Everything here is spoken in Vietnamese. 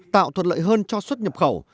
tạo thuận lợi hơn cho suất nhập khẩu